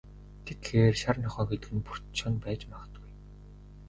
Тэгэхээр, шар нохой гэдэг нь Бөртэ Чоно байж магадгүй.